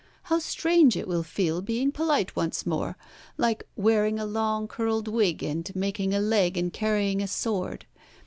How strange it will feel being polite once more, like wearing a long curled wig, and making a leg and carrying a sword.